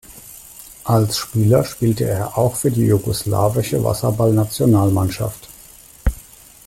Als Spieler spielte er auch für die jugoslawische Wasserball-Nationalmannschaft.